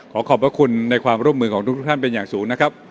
ขอขอบพระคุณในความร่วมมือของทุกท่านเป็นอย่างสูงนะครับ